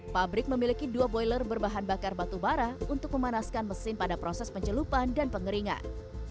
pabrik memiliki dua boiler berbahan bakar batubara untuk memanaskan mesin pada proses pencelupan dan pengeringan